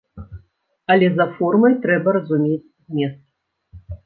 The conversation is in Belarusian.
Але за формай трэба разумець змест.